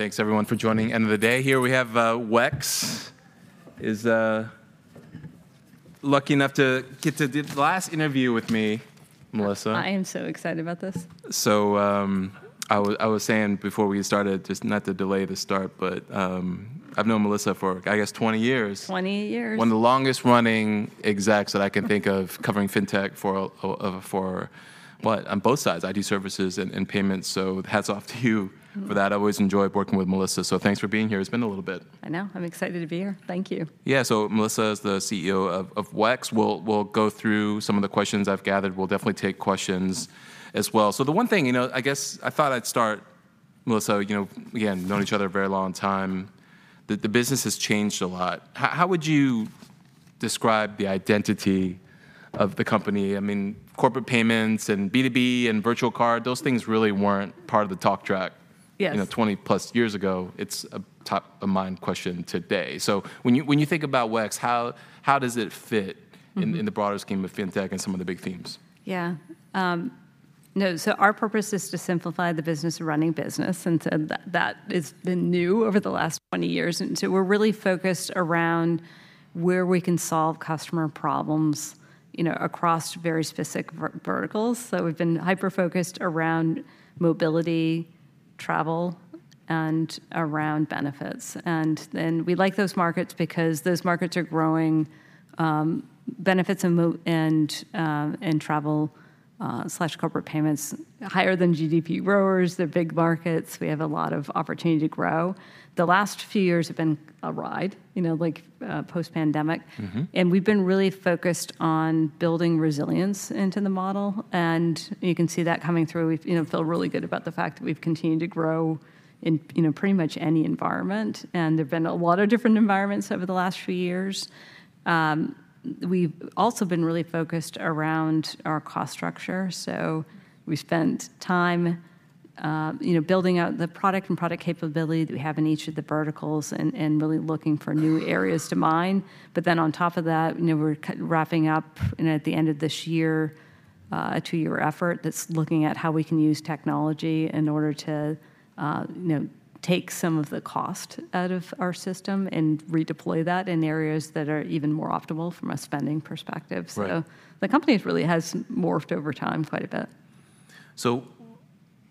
Thanks, everyone, for joining end of the day here. We have WEX is lucky enough to get to do the last interview with me, Melissa. I am so excited about this. So, I was saying before we started, just not to delay the start, but I've known Melissa for, I guess, 20 years. Twenty years. One of the longest running execs that I can think of, covering Fintech for a while? On both sides, IT services and payments, so hats off to you for that. I always enjoyed working with Melissa, so thanks for being here. It's been a little bit. I know. I'm excited to be here. Thank you. Yeah, so Melissa is the CEO of WEX. We'll go through some of the questions I've gathered. We'll definitely take questions as well. So the one thing, you know, I guess I thought I'd start, Melissa, you know, again, known each other a very long time, the business has changed a lot. How would you describe the identity of the company? I mean, corporate payments, and B2B, and virtual card, those things really weren't part of the talk track- Yes You know, 20+ years ago. It's a top-of-mind question today. So when you, when you think about WEX, how, how does it fit. Mm-hmm In the broader scheme of fintech and some of the big themes? Yeah. No, so our purpose is to simplify the business of running business, and so that, that has been new over the last 20 years, and so we're really focused around where we can solve customer problems, you know, across very specific verticals. So we've been hyper-focused around mobility, travel, and around benefits. And then we like those markets because those markets are growing. Benefits and mobility and travel, corporate payments, higher than GDP growers. They're big markets. We have a lot of opportunity to grow. The last few years have been a ride, you know, like, post-pandemic. Mm-hmm. We've been really focused on building resilience into the model, and you can see that coming through. We, you know, feel really good about the fact that we've continued to grow in, you know, pretty much any environment, and there have been a lot of different environments over the last few years. We've also been really focused around our cost structure, so we spent time, you know, building out the product and product capability that we have in each of the verticals and really looking for new areas to mine. But then on top of that, you know, we're wrapping up, you know, at the end of this year, a two-year effort that's looking at how we can use technology in order to, you know, take some of the cost out of our system and redeploy that in areas that are even more optimal from a spending perspective. Right. The company really has morphed over time quite a bit. So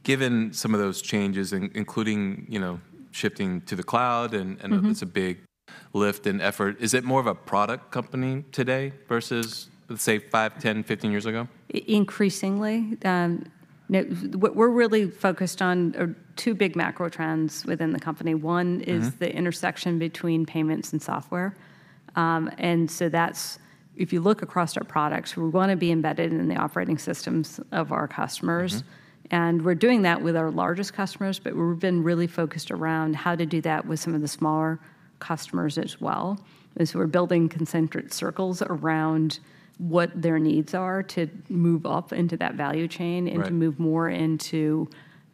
given some of those changes, including, you know, shifting to the cloud and, and- Mm-hmm It's a big lift and effort, is it more of a product company today versus, let's say, five, 10, 15 years ago? Increasingly, what we're really focused on are two big macro trends within the company. Mm-hmm. One is the intersection between payments and software. And so that's, if you look across our products, we want to be embedded in the operating systems of our customers. Mm-hmm. We're doing that with our largest customers, but we've been really focused around how to do that with some of the smaller customers as well. As we're building concentric circles around what their needs are to move up into that value chain- Right And to move more into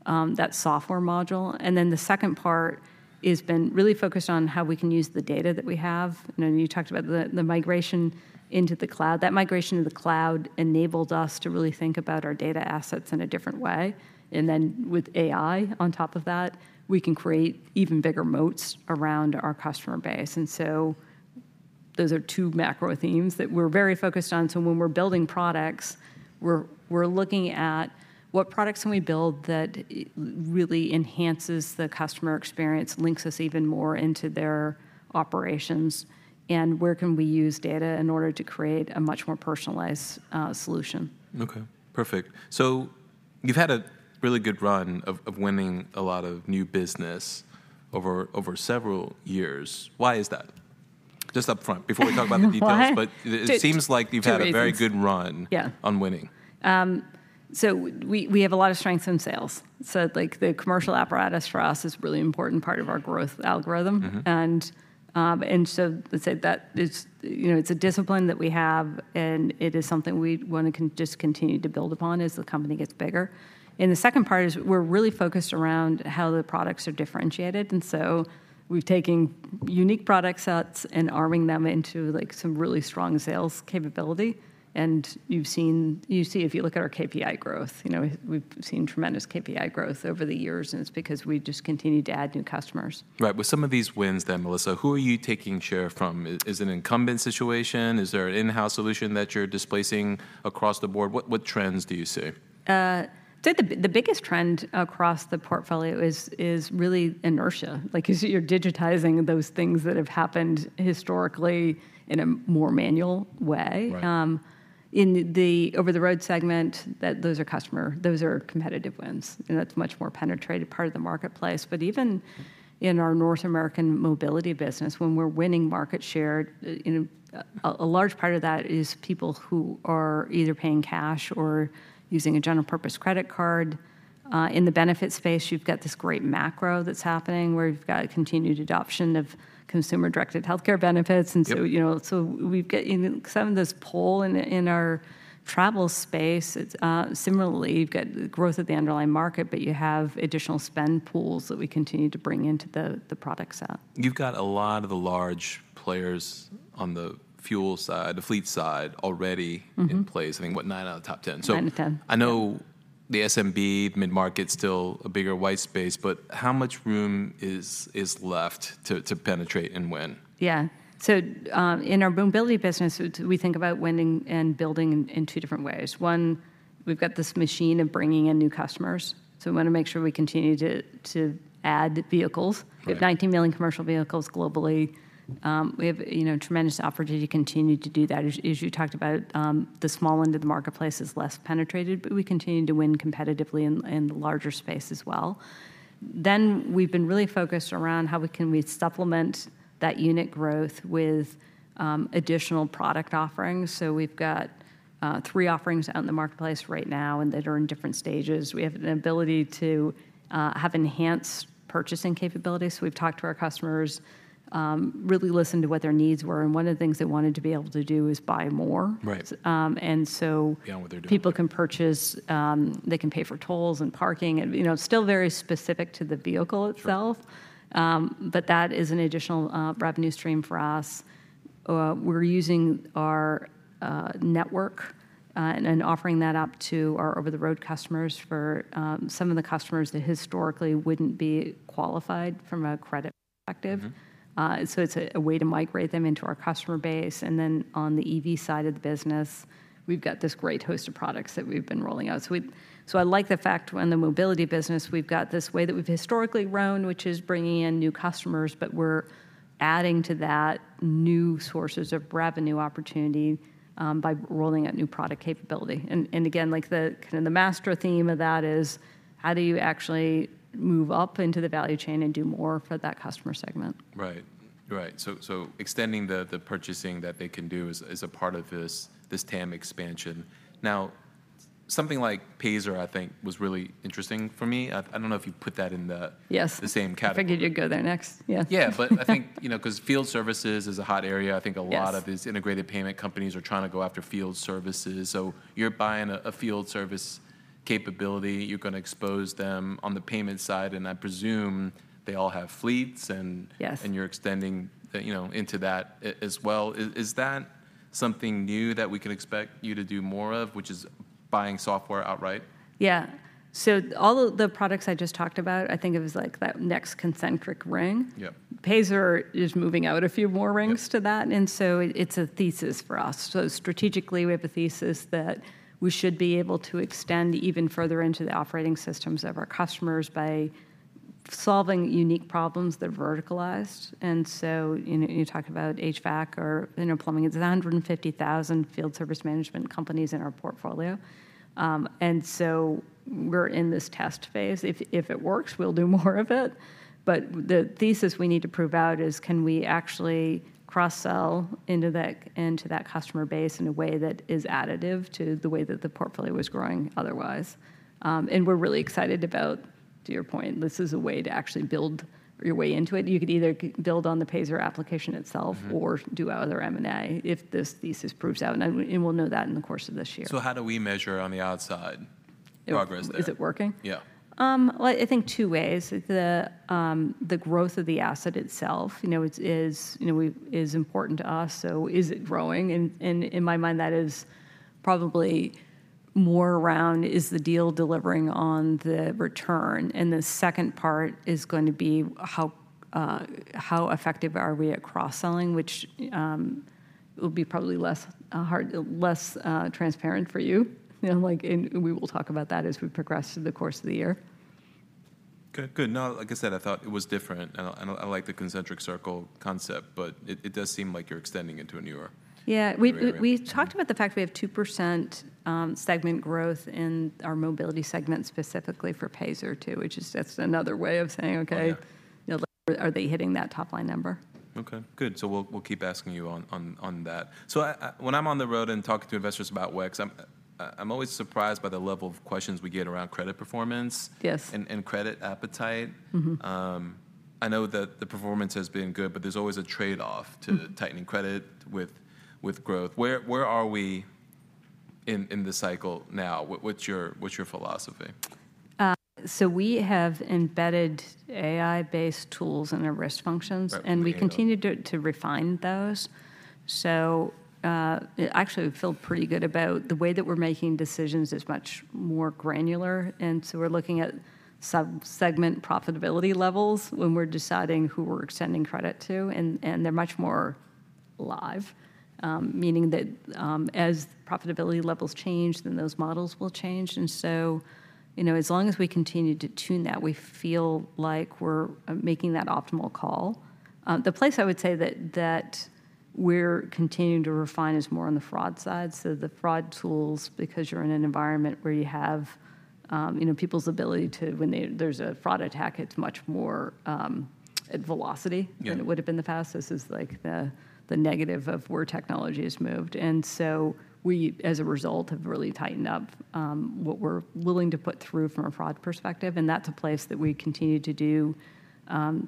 that software module. And then the second part has been really focused on how we can use the data that we have. I know you talked about the migration into the cloud. That migration to the cloud enabled us to really think about our data assets in a different way, and then with AI on top of that, we can create even bigger moats around our customer base. And so those are two macro themes that we're very focused on. So when we're building products, we're looking at what products can we build that really enhances the customer experience, links us even more into their operations, and where can we use data in order to create a much more personalized solution? Okay, perfect. So you've had a really good run of winning a lot of new business over several years. Why is that? Just upfront, before we talk about the details. Why? But it seems like you've had- Two reasons A very good run. Yeah On winning. We have a lot of strength in sales. So, like, the commercial apparatus for us is a really important part of our growth algorithm. Mm-hmm. And so let's say that it's, you know, it's a discipline that we have, and it is something we want to just continue to build upon as the company gets bigger. And the second part is we're really focused around how the products are differentiated, and so we've taken unique product sets and arming them into, like, some really strong sales capability, and you see, if you look at our KPI growth, you know, we've seen tremendous KPI growth over the years, and it's because we just continue to add new customers. Right. With some of these wins then, Melissa, who are you taking share from? Is, is it an incumbent situation? Is there an in-house solution that you're displacing across the board? What, what trends do you see? I'd say the biggest trend across the portfolio is really inertia. Like, you're digitizing those things that have happened historically in a more manual way. Right. In the over-the-road segment, those are competitive wins, and that's a much more penetrated part of the marketplace. But even in our North American mobility business, when we're winning market share, you know, a large part of that is people who are either paying cash or using a general purpose credit card. In the benefits space, you've got this great macro that's happening, where you've got a continued adoption of consumer-directed healthcare benefits. Yep. And so, you know, so we've got, you know, some of this pull in our travel space. It's similarly, you've got growth of the underlying market, but you have additional spend pools that we continue to bring into the product set. You've got a lot of the large players on the fuel side, the fleet side, already- Mm-hmm In place. I think, what, nine out of the top ten? 9 to 10. I know the SMB mid-market's still a bigger white space, but how much room is left to penetrate and when? Yeah. So, in our mobility business, we think about winning and building in two different ways. One, we've got this machine of bringing in new customers, so we want to make sure we continue to add vehicles. Right. We have 19 million commercial vehicles globally. We have, you know, tremendous opportunity to continue to do that. As you talked about, the small end of the marketplace is less penetrated, but we continue to win competitively in the larger space as well. Then, we've been really focused around how we can supplement that unit growth with additional product offerings. So we've got 3 offerings out in the marketplace right now, and that are in different stages. We have an ability to have enhanced purchasing capabilities, so we've talked to our customers, really listened to what their needs were, and one of the things they wanted to be able to do is buy more. Right. And so- Beyond what they're doing. People can purchase, they can pay for tolls and parking and, you know, still very specific to the vehicle itself. Sure. But that is an additional revenue stream for us. We're using our network and offering that up to our over-the-road customers for some of the customers that historically wouldn't be qualified from a credit perspective. Mm-hmm. So it's a way to migrate them into our customer base, and then on the EV side of the business, we've got this great host of products that we've been rolling out. So I like the fact, in the mobility business, we've got this way that we've historically grown, which is bringing in new customers, but we're adding to that new sources of revenue opportunity, by rolling out new product capability. And, and again, like, the kind of the master theme of that is, how do you actually move up into the value chain and do more for that customer segment? Right. So, extending the purchasing that they can do is a part of this TAM expansion. Now, something like Payzer, I think, was really interesting for me. I don't know if you put that in the- Yes The same category. I figured you'd go there next. Yeah. Yeah, but I think, you know, 'cause field services is a hot area. Yes. I think a lot of these integrated payment companies are trying to go after field services. So you're buying a field service capability, you're gonna expose them on the payment side, and I presume they all have fleets, and- Yes And you're extending, you know, into that as well. Is that something new that we can expect you to do more of, which is buying software outright? Yeah. So all of the products I just talked about, I think it was, like, that next concentric ring. Yeah. Payzer is moving out a few more rings to that- Yeah And so it's a thesis for us. So strategically, we have a thesis that we should be able to extend even further into the operating systems of our customers by solving unique problems that are verticalized. And so, you know, you talked about HVAC or, you know, plumbing. It's 150,000 field service management companies in our portfolio. And so we're in this test phase. If it works, we'll do more of it. But the thesis we need to prove out is, can we actually cross-sell into that, into that customer base in a way that is additive to the way that the portfolio was growing otherwise? And we're really excited about, to your point, this is a way to actually build your way into it. You could either build on the Payzer application itself- Mm-hmm Or do other M&A if this thesis proves out, and we'll know that in the course of this year. How do we measure on the outside- It- Progress there? Is it working? Yeah. Well, I think two ways. The growth of the asset itself, you know, it is, you know, is important to us, so is it growing? And in my mind, that is probably more around, is the deal delivering on the return? And the second part is going to be, how effective are we at cross-selling, which will be probably less hard, less transparent for you. You know, like, and we will talk about that as we progress through the course of the year. Okay, good. No, like I said, I thought it was different, and I, and I like the concentric circle concept, but it, it does seem like you're extending into a newer- Yeah Area. We talked about the fact we have 2% segment growth in our mobility segment, specifically for Payzer too, which is- that's another way of saying- Oh, yeah You know, are they hitting that top-line number? Okay, good. So we'll keep asking you on that. So I, when I'm on the road and talking to investors about WEX, I'm always surprised by the level of questions we get around credit performance- Yes And credit appetite. Mm-hmm. I know that the performance has been good, but there's always a trade-off. Mm To tightening credit with growth. Where are we in the cycle now? What's your philosophy? So we have embedded AI-based tools in our risk functions- Right And we continue to refine those. So, actually, we feel pretty good about the way that we're making decisions is much more granular, and so we're looking at sub-segment profitability levels when we're deciding who we're extending credit to, and they're much more live. Meaning that, as profitability levels change, then those models will change. And so, you know, as long as we continue to tune that, we feel like we're making that optimal call. The place I would say that we're continuing to refine is more on the fraud side. So the fraud tools, because you're in an environment where you have, you know, people's ability to when there's a fraud attack, it's much more, velocity- Yeah Than it would've been in the past. This is, like, the negative of where technology has moved. And so we, as a result, have really tightened up what we're willing to put through from a fraud perspective, and that's a place that we continue to do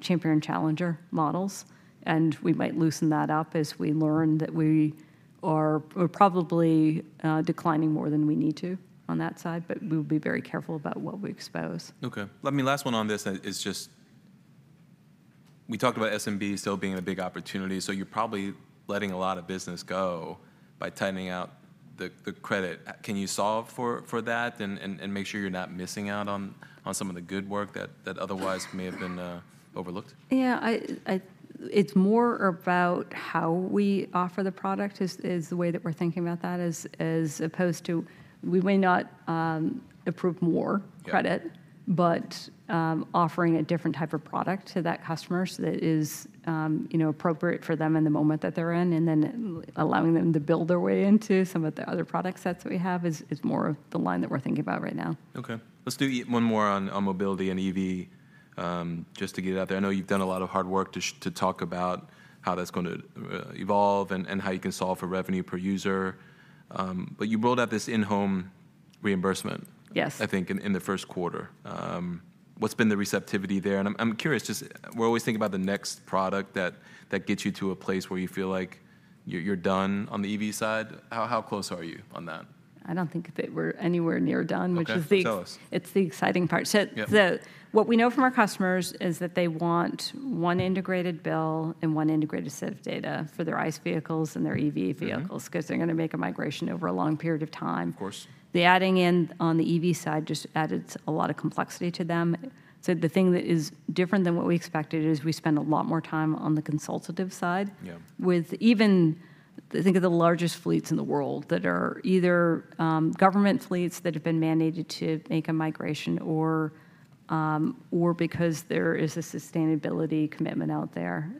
champion and challenger models. And we might loosen that up, as we learn that we're probably declining more than we need to on that side, but we'll be very careful about what we expose. Okay. Last one on this is just. We talked about SMB still being a big opportunity, so you're probably letting a lot of business go by tightening out the credit. Can you solve for that, and make sure you're not missing out on some of the good work that otherwise may have been overlooked? Yeah, it's more about how we offer the product; it's the way that we're thinking about that, as opposed to we may not approve more- Yeah Credit, but offering a different type of product to that customer so that it is, you know, appropriate for them in the moment that they're in, and then allowing them to build their way into some of the other product sets that we have is more of the line that we're thinking about right now. Okay. Let's do one more on, on mobility and EV, just to get it out there. I know you've done a lot of hard work to talk about how that's going to evolve and, and how you can solve for revenue per user. But you rolled out this in-home reimbursement- Yes I think in the first quarter. What's been the receptivity there? And I'm curious, just we're always thinking about the next product that gets you to a place where you feel like you're done on the EV side. How close are you on that? I don't think that we're anywhere near done- Okay Which is the- Tell us. It's the exciting part. So- Yeah What we know from our customers is that they want one integrated bill and one integrated set of data for their ICE vehicles and their EV vehicles- Mm-hmm Because they're gonna make a migration over a long period of time. Of course. The adding in on the EV side just adds a lot of complexity to them. So the thing that is different than what we expected is we spend a lot more time on the consultative side- Yeah With even, think of the largest fleets in the world, that are either, government fleets that have been mandated to make a migration or, or because there is a sustainability commitment out there.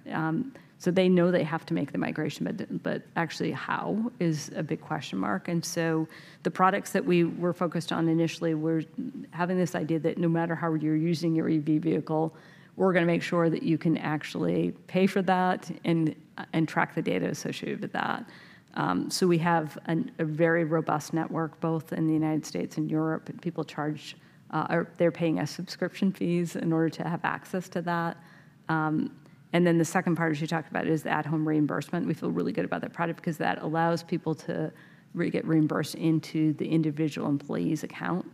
So they know they have to make the migration, but actually how is a big question mark. And so the products that we were focused on initially were having this idea that no matter how you're using your EV vehicle, we're gonna make sure that you can actually pay for that and, and track the data associated with that. So we have a very robust network, both in the United States and Europe, and people charge or they're paying us subscription fees in order to have access to that. And then the second part, as you talked about, is the at-home reimbursement. We feel really good about that product 'cause that allows people to get reimbursed into the individual employee's account,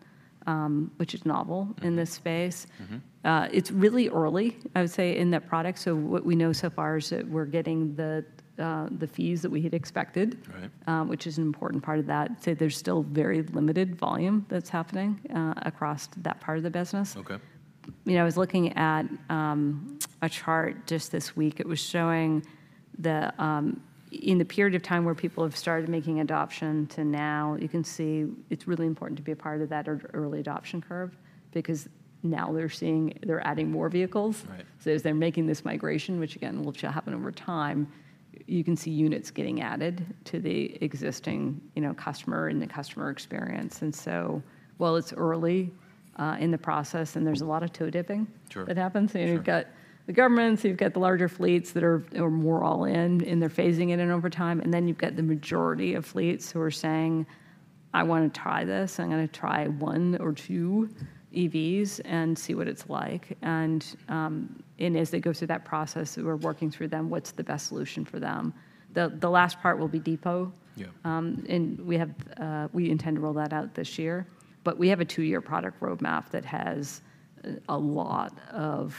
which is novel- Mm-hmm In this space. Mm-hmm. It's really early, I would say, in that product, so what we know so far is that we're getting the fees that we had expected- Right Which is an important part of that. So there's still very limited volume that's happening, across that part of the business. Okay. You know, I was looking at a chart just this week. It was showing the, in the period of time where people have started making adoption to now, you can see it's really important to be a part of that early adoption curve because now we're seeing they're adding more vehicles. Right. So as they're making this migration, which again, will happen over time, you can see units getting added to the existing, you know, customer and the customer experience. And so, while it's early, in the process and there's a lot of toe dipping- Sure That happens. Sure. You've got the governments, you've got the larger fleets that are more all in, and they're phasing it in over time, and then you've got the majority of fleets who are saying, "I wanna try this. I'm gonna try one or two EVs and see what it's like." And, and as they go through that process, we're working through them, what's the best solution for them? The last part will be Depot. Yeah. We intend to roll that out this year. But we have a two-year product roadmap that has a lot of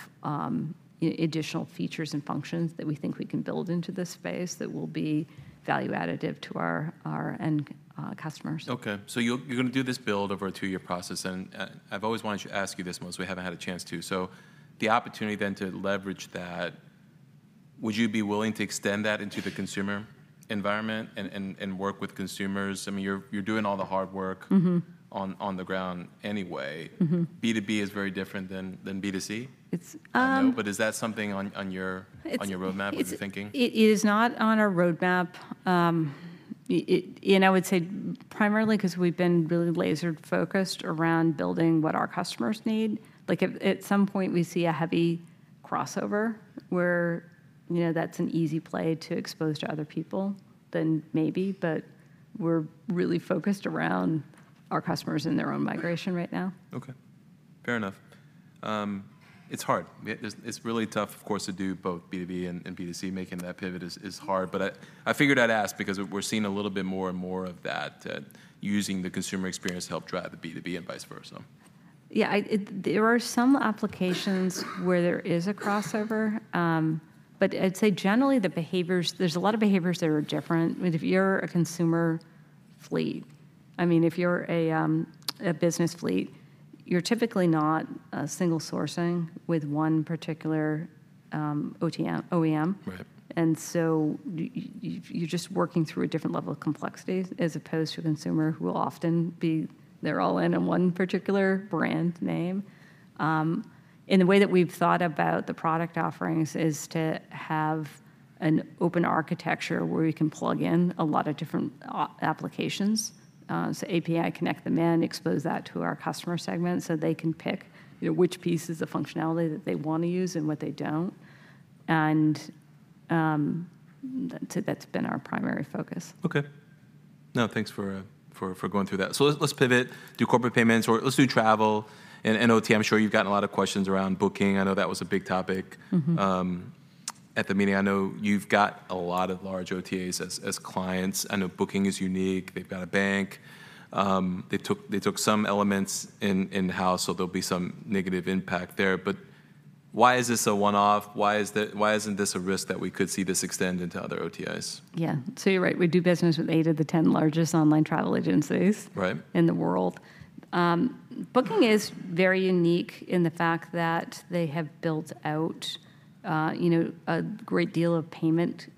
additional features and functions that we think we can build into this space that will be value additive to our end customers. Okay, so you're gonna do this build over a two-year process, and I've always wanted to ask you this one, so we haven't had a chance to. So the opportunity then to leverage that, would you be willing to extend that into the consumer environment and work with consumers? I mean, you're doing all the hard work- Mm-hmm On the ground anyway. Mm-hmm. B2B is very different than B2C. It's, um- I know, but is that something on your- It's- On your roadmap or you're thinking? It is not on our roadmap. You know, I would say primarily 'cause we've been really lasered focused around building what our customers need. Like, if at some point we see a heavy crossover, where, you know, that's an easy play to expose to other people, then maybe, but we're really focused around our customers and their own migration right now. Okay, fair enough. It's hard. It's really tough, of course, to do both B2B and B2C. Making that pivot is hard, but I figured I'd ask because we're seeing a little bit more and more of that, using the consumer experience to help drive the B2B and vice versa. There are some applications where there is a crossover, but I'd say generally, the behaviors—there's a lot of behaviors that are different. I mean, if you're a consumer fleet—I mean, if you're a business fleet, you're typically not single sourcing with one particular Auto OEM. Right. So you're just working through a different level of complexities, as opposed to a consumer, who will often be all in one particular brand name. And the way that we've thought about the product offerings is to have an open architecture, where we can plug in a lot of different applications. So API, connect them in, expose that to our customer segment, so they can pick, you know, which pieces of functionality that they wanna use and what they don't. And that's been our primary focus. Okay. Now, thanks for going through that. So let's pivot to corporate payments, or let's do travel and OT. I'm sure you've gotten a lot of questions around Booking. I know that was a big topic. Mm-hmm. At the meeting, I know you've got a lot of large OTAs as clients. I know Booking is unique. They've got a bank. They took some elements in-house, so there'll be some negative impact there. But why is this a one-off? Why isn't this a risk that we could see this extend into other OTAs? Yeah. So you're right, we do business with 8 of the 10 largest online travel agencies- Right In the world. Booking is very unique in the fact that they have built out, you know, a great deal of payment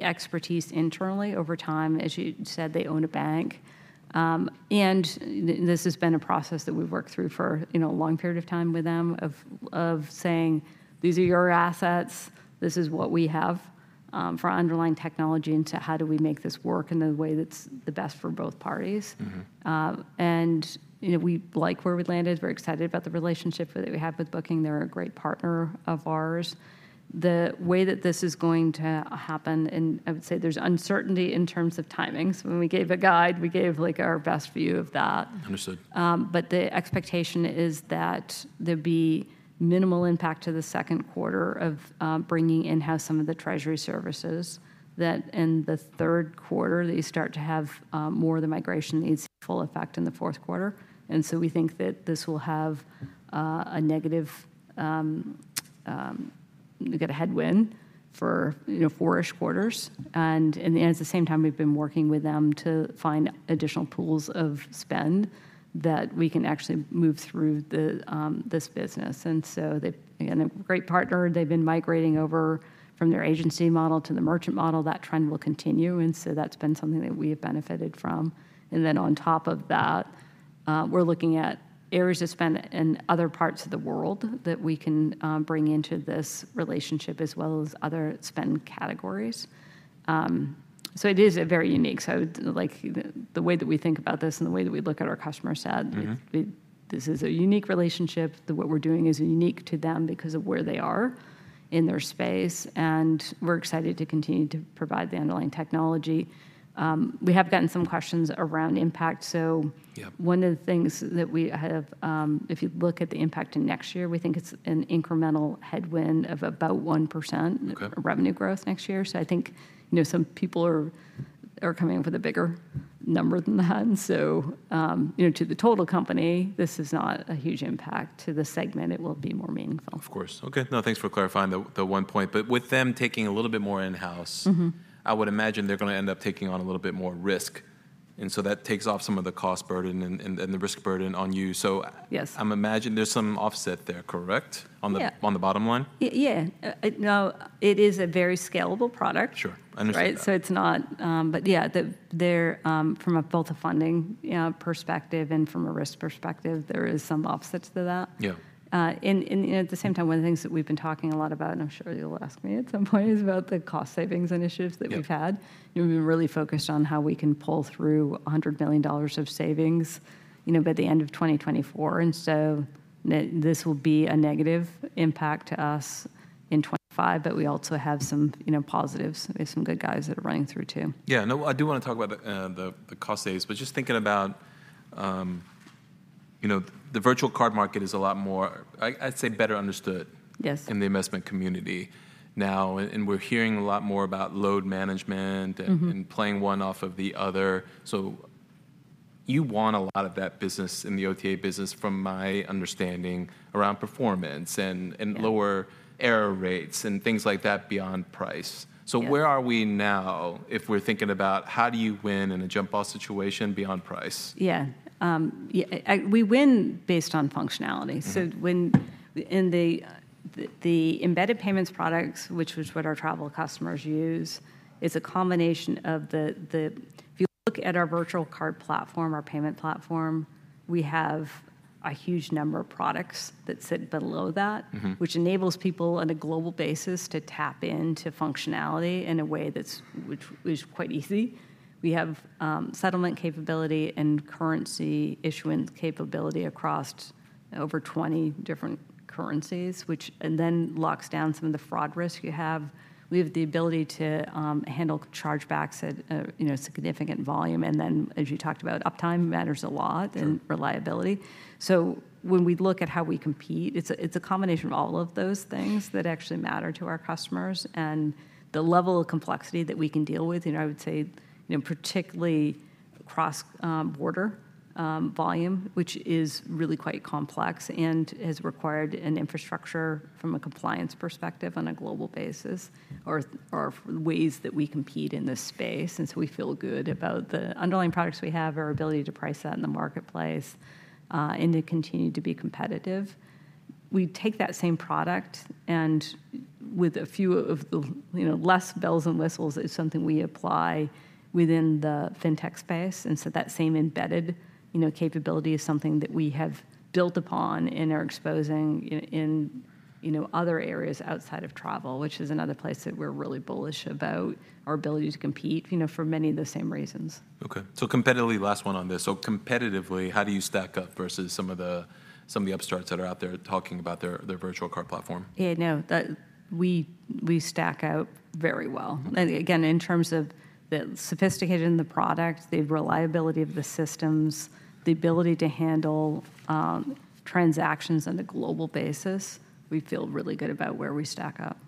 expertise internally over time. As you said, they own a bank. And this has been a process that we've worked through for, you know, a long period of time with them, of saying, "These are your assets. This is what we have, for underlying technology, and so how do we make this work in a way that's the best for both parties? Mm-hmm. And, you know, we like where we landed. We're excited about the relationship that we have with Booking. They're a great partner of ours. The way that this is going to happen, and I would say there's uncertainty in terms of timings. When we gave a guide, we gave, like, our best view of that. Understood. But the expectation is that there'll be minimal impact to the second quarter of bringing in-house some of the treasury services, that in the third quarter you start to have more of the migration and it's full effect in the fourth quarter. And so we think that this will have a negative headwind for, you know, four-ish quarters. And at the same time, we've been working with them to find additional pools of spend that we can actually move through this business. And so they again, a great partner. They've been migrating over from their agency model to the merchant model. That trend will continue, and so that's been something that we have benefited from. And then on top of that, we're looking at areas of spend in other parts of the world that we can bring into this relationship, as well as other spend categories. So it is a very unique, like, the way that we think about this and the way that we look at our customer set. Mm-hmm This is a unique relationship, that what we're doing is unique to them because of where they are in their space, and we're excited to continue to provide the underlying technology. We have gotten some questions around impact, so- Yep One of the things that we have, if you look at the impact in next year, we think it's an incremental headwind of about 1%. Okay Revenue growth next year. So I think, you know, some people are coming up with a bigger number than that. And so, you know, to the total company, this is not a huge impact. To the segment, it will be more meaningful. Of course. Okay. No, thanks for clarifying the one point. But with them taking a little bit more in-house- Mm-hmm I would imagine they're gonna end up taking on a little bit more risk, and so that takes off some of the cost burden and the risk burden on you. So- Yes. I imagine there's some offset there, correct, on the- Yeah On the bottom line? Yeah. Now, it is a very scalable product. Sure, I understand that. Right? So it's not. But yeah, there from a built-to-funding, you know, perspective and from a risk perspective, there is some offsets to that. Yeah. At the same time, one of the things that we've been talking a lot about, and I'm sure you'll ask me at some point, is about the cost savings initiatives that we've had. Yeah. We've been really focused on how we can pull through $100 million of savings, you know, by the end of 2024. And so this will be a negative impact to us in 2025, but we also have some, you know, positives, some good guys that are running through, too. Yeah. No, I do want to talk about the cost savings, but just thinking about, you know, the virtual card market is a lot more, I'd say, better understood. Yes In the investment community now, and we're hearing a lot more about load management- Mm-hmm Playing one off of the other. So you want a lot of that business in the OTA business, from my understanding, around performance, and- Yeah Lower error rates and things like that beyond price. Yeah. Where are we now if we're thinking about how do you win in a jump-ball situation beyond price? Yeah. Yeah, we win based on functionality. Mm-hmm. So when in the embedded payments products, which is what our travel customers use, is a combination of the. If you look at our Virtual Card platform, our payment platform, we have a huge number of products that sit below that- Mm-hmm Which enables people on a global basis to tap into functionality in a way that's, which is quite easy. We have settlement capability and currency issuance capability across over 20 different currencies, which, and then locks down some of the fraud risk you have. We have the ability to handle chargebacks at, you know, significant volume. And then, as you talked about, uptime matters a lot- Sure And reliability. So when we look at how we compete, it's a combination of all of those things that actually matter to our customers, and the level of complexity that we can deal with, you know, I would say, you know, particularly across border volume, which is really quite complex and has required an infrastructure from a compliance perspective on a global basis, or ways that we compete in this space. And so we feel good about the underlying products we have, our ability to price that in the marketplace, and to continue to be competitive. We take that same product, and with a few of the, you know, less bells and whistles, is something we apply within the Fintech space. So that same embedded, you know, capability is something that we have built upon and are exposing in you know, other areas outside of travel, which is another place that we're really bullish about our ability to compete, you know, for many of the same reasons. Okay. So competitively, last one on this. So competitively, how do you stack up versus some of the, some of the upstarts that are out there talking about their, their virtual card platform? Yeah, no, we stack up very well. Mm-hmm. And again, in terms of the sophistication of the product, the reliability of the systems, the ability to handle transactions on a global basis, we feel really good about where we stack up.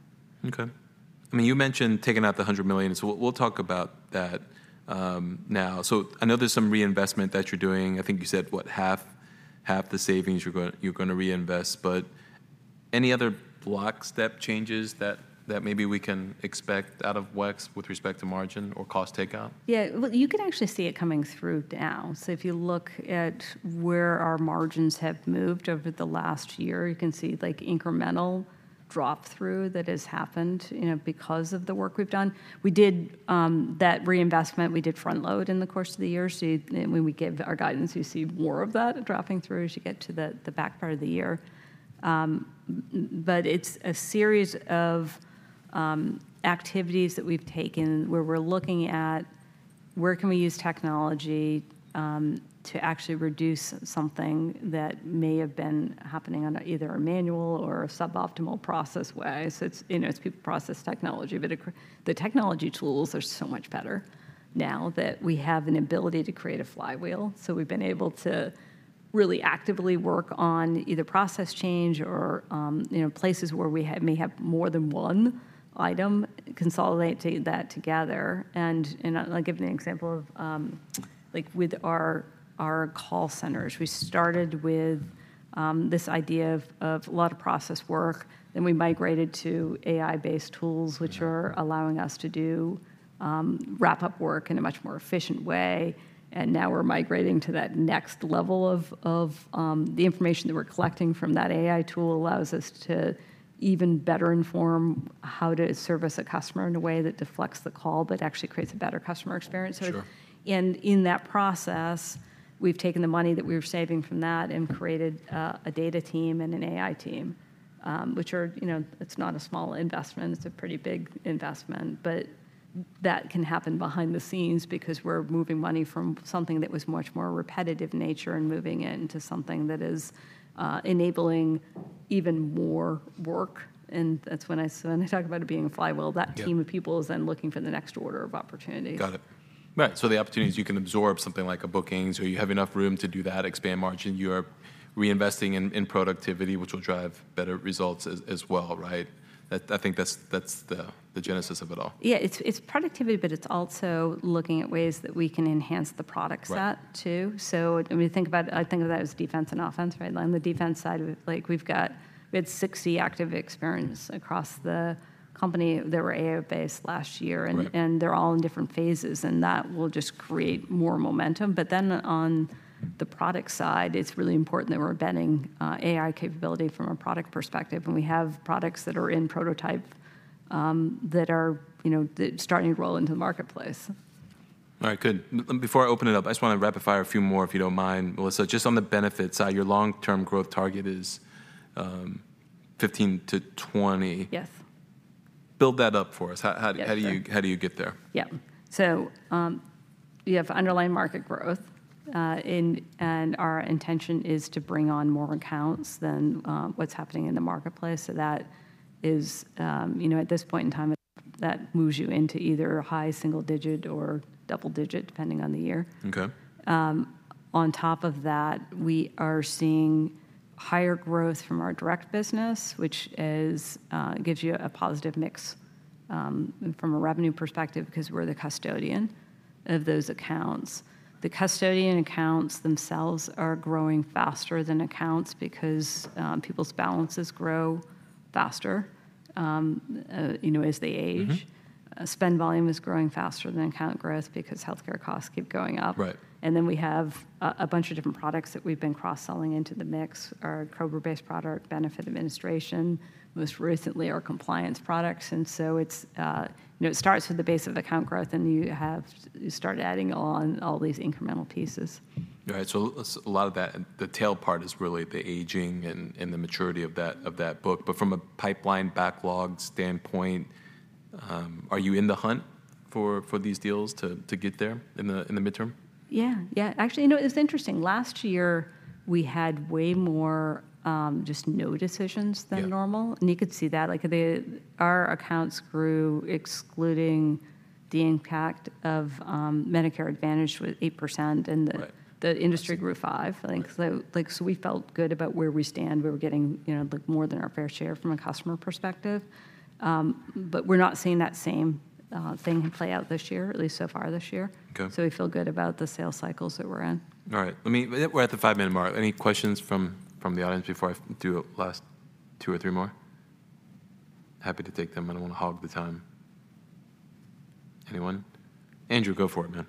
Okay. I mean, you mentioned taking out the $100 million, so we'll talk about that now. So I know there's some reinvestment that you're doing. I think you said, what? Half the savings you're gonna reinvest, but any other block step changes that maybe we can expect out of WEX with respect to margin or cost takeout? Yeah. Well, you can actually see it coming through now. So if you look at where our margins have moved over the last year, you can see, like, incremental drop-through that has happened, you know, because of the work we've done. We did that reinvestment, we did front load in the course of the year. So when we give our guidance, you see more of that dropping through as you get to the back part of the year. But it's a series of activities that we've taken, where we're looking at where can we use technology to actually reduce something that may have been happening on either a manual or a suboptimal process way. So it's, you know, it's process technology, but the technology tools are so much better now that we have an ability to create a flywheel. So we've been able to really actively work on either process change or, you know, places where we may have more than one item, consolidate that together. And I'll give you an example of, like, with our call centers. We started with this idea of a lot of process work, then we migrated to AI-based tools- Yeah Which are allowing us to do wrap-up work in a much more efficient way. And now we're migrating to that next level of the information that we're collecting from that AI tool allows us to even better inform how to service a customer in a way that deflects the call, but actually creates a better customer experience. Sure. In that process, we've taken the money that we were saving from that and created a data team and an AI team, which are, you know, it's not a small investment, it's a pretty big investment. But that can happen behind the scenes because we're moving money from something that was much more repetitive in nature and moving it into something that is enabling even more work, and that's when I talk about it being a flywheel- Yeah That team of people is then looking for the next order of opportunities. Got it. Right, so the opportunities, you can absorb something like a bookings, or you have enough room to do that, expand margin. You are reinvesting in productivity, which will drive better results as well, right? That, I think that's the genesis of it all. Yeah, it's, it's productivity, but it's also looking at ways that we can enhance the product set- Right Too. So when we think about it, I think of that as defense and offense, right? On the defense side, like, we've got, we had 60 active experiences across the company that were AI-based last year- Right And they're all in different phases, and that will just create more momentum. But then on the product side, it's really important that we're embedding AI capability from a product perspective, and we have products that are in prototype that are, you know, starting to roll into the marketplace. All right, good. Before I open it up, I just wanna rapid fire a few more, if you don't mind, Melissa. Just on the benefit side, your long-term growth target is 15-20. Yes. Build that up for us. Yeah, sure. How do you get there? Yeah. So, you have underlying market growth, and our intention is to bring on more accounts than what's happening in the marketplace. So that is, you know, at this point in time, that moves you into either a high single digit or double digit, depending on the year. Okay. On top of that, we are seeing higher growth from our direct business, which is gives you a positive mix from a revenue perspective, because we're the custodian of those accounts. The custodian accounts themselves are growing faster than accounts because people's balances grow faster, you know, as they age. Mm-hmm. Spend volume is growing faster than account growth because healthcare costs keep going up. Right. And then we have a bunch of different products that we've been cross-selling into the mix, our COBRA-based product, Benefit Administration, most recently, our compliance products. And so it's, you know, it starts with the base of account growth, and you have—you start adding on all these incremental pieces. All right, so a lot of that, the tail part is really the aging and the maturity of that book. But from a pipeline backlog standpoint, are you in the hunt for these deals to get there in the midterm? Yeah, yeah. Actually, you know, it's interesting. Last year, we had way more, just no decisions than normal. Yeah. You could see that. Like, our accounts grew, excluding the impact of Medicare Advantage, 8%, and the- Right The industry grew 5, I think. Right. So, like, we felt good about where we stand. We were getting, you know, like, more than our fair share from a customer perspective. But we're not seeing that same thing play out this year, at least so far this year. Okay. So we feel good about the sales cycles that we're in. All right, let me. We're at the five-minute mark. Any questions from the audience before I do last two or three more? Happy to take them. I don't wanna hog the time. Anyone? Andrew, go for it, man.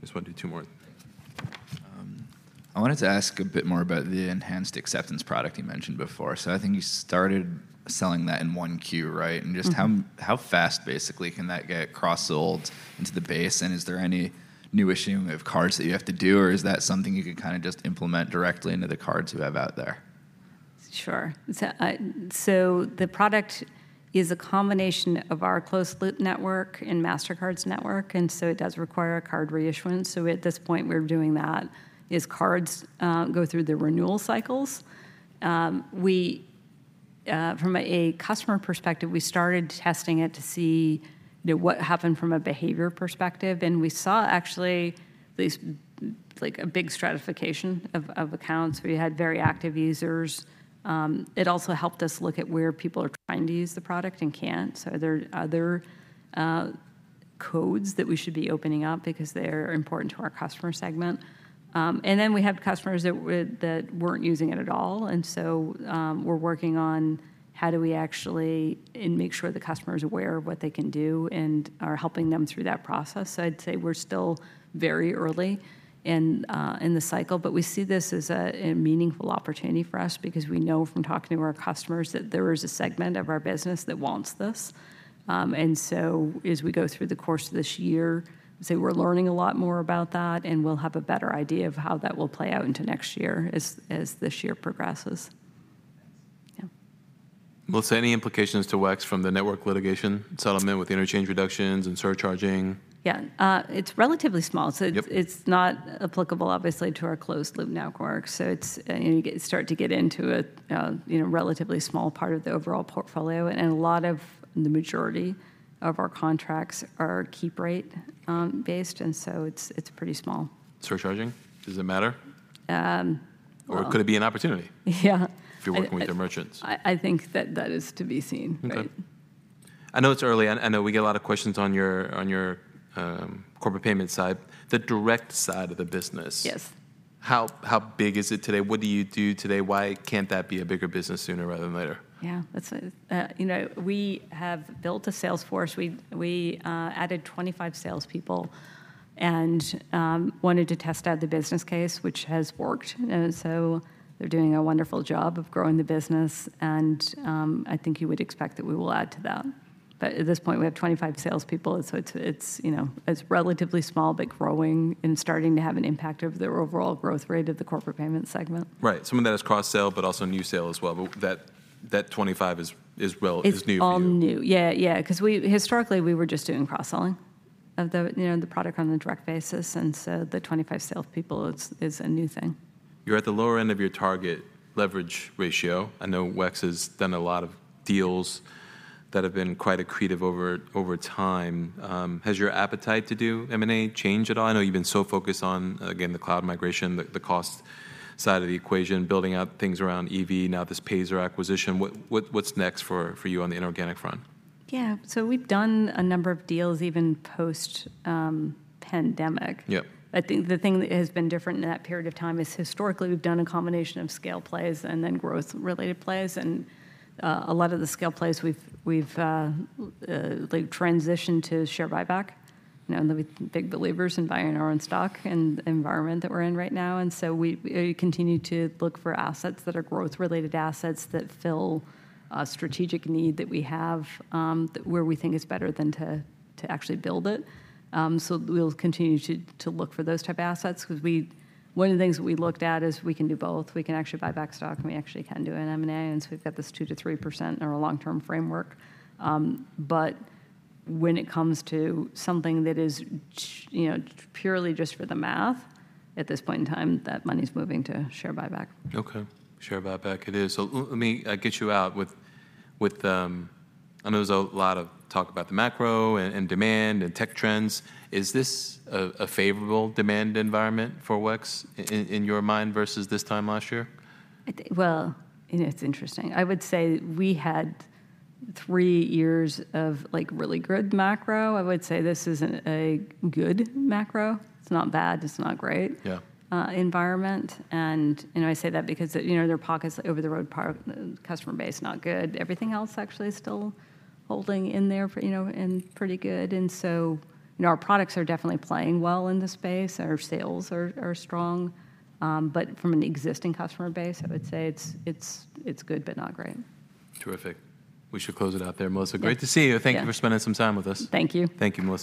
Just wanna do two more. I wanted to ask a bit more about the Enhanced Acceptance product you mentioned before. So I think you started selling that in 1Q, right? Mm-hmm. And just how, how fast, basically, can that get cross-sold into the base? And is there any new issuing of cards that you have to do, or is that something you can kinda just implement directly into the cards you have out there? Sure. So, so the product is a combination of our closed-loop network and Mastercard's network, and so it does require a card reissuance. So at this point, we're doing that, as cards go through the renewal cycles. We, from a customer perspective, we started testing it to see, you know, what happened from a behavior perspective, and we saw actually this, like, a big stratification of accounts. We had very active users. It also helped us look at where people are trying to use the product and can't. So are there other codes that we should be opening up because they're important to our customer segment. And then we have customers that weren't using it at all, and so we're working on how do we actually and make sure the customer is aware of what they can do and are helping them through that process. So I'd say we're still very early in the cycle, but we see this as a meaningful opportunity for us because we know from talking to our customers that there is a segment of our business that wants this. And so as we go through the course of this year, I'd say we're learning a lot more about that, and we'll have a better idea of how that will play out into next year as this year progresses. Yeah. Melissa, any implications to WEX from the network litigation settlement with the interchange reductions and surcharging? Yeah. It's relatively small- Yep So it's, it's not applicable, obviously, to our closed-loop network. So it's, and you start to get into it, you know, relatively small part of the overall portfolio, and a lot of the majority of our contracts are Keep Rate based, and so it's, it's pretty small. Surcharging, does it matter? Um, well- Or could it be an opportunity? Yeah, I- If you're working with your merchants I think that that is to be seen, right? Okay. I know it's early, and I know we get a lot of questions on your corporate payment side, the direct side of the business. Yes. How, how big is it today? What do you do today? Why can't that be a bigger business sooner rather than later? Yeah. That's, you know, we have built a sales force. We added 25 salespeople and wanted to test out the business case, which has worked. And so they're doing a wonderful job of growing the business, and I think you would expect that we will add to that. But at this point, we have 25 salespeople, so it's, you know, it's relatively small, but growing and starting to have an impact over the overall growth rate of the corporate payment segment. Right. Some of that is cross-sell, but also new sale as well, but that 25 is, well, new to you. It's all new. Yeah, yeah, 'cause historically we were just doing cross-selling of the, you know, the product on a direct basis, and so the 25 salespeople is a new thing. You're at the lower end of your target leverage ratio. I know WEX has done a lot of deals that have been quite accretive over time. Has your appetite to do M&A changed at all? I know you've been so focused on, again, the cloud migration, the cost side of the equation, building out things around EV, now this Payzer acquisition. What's next for you on the inorganic front? Yeah. So we've done a number of deals, even post-pandemic. Yeah. I think the thing that has been different in that period of time is, historically, we've done a combination of scale plays and then growth-related plays, and a lot of the scale plays we've like transitioned to share buyback. You know, and we're big believers in buying our own stock and the environment that we're in right now, and so we continue to look for assets that are growth-related assets that fill a strategic need that we have, that where we think is better than to actually build it. So we'll continue to look for those type of assets 'cause we-- one of the things that we looked at is we can do both. We can actually buy back stock, and we actually can do an M&A, and so we've got this 2%-3% in our long-term framework. But when it comes to something that is you know, purely just for the math, at this point in time, that money's moving to share buyback. Okay. Share buyback it is. So let me get you out with, I know there's a lot of talk about the macro and demand and tech trends. Is this a favorable demand environment for WEX in your mind, versus this time last year? I think, well, you know, it's interesting. I would say we had three years of, like, really good macro. I would say this isn't a good macro. It's not bad, it's not great- Yeah... environment. And, you know, I say that because, you know, the over-the-road part of the customer base, not good. Everything else actually is still holding in there, you know, and pretty good. And so, you know, our products are definitely playing well in the space, and our sales are strong. But from an existing customer base, I would say it's good, but not great. Terrific. We should close it out there, Melissa. Yeah. Great to see you. Yeah. Thank you for spending some time with us. Thank you. Thank you, Melissa.